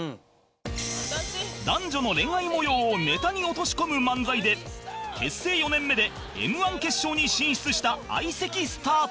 男女の恋愛模様をネタに落とし込む漫才で結成４年目で Ｍ−１ 決勝に進出した相席スタート